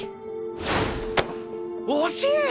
惜しい！